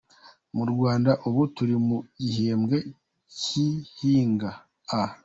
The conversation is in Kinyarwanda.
Mu Rwanda ubu turi mu gihembwe cy’ihinga “A”.